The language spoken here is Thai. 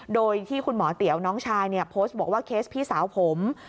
โดยที่คุณหมอเตี๋ยวน้องชายโพสต์บอกว่าเคสพี่สาวผม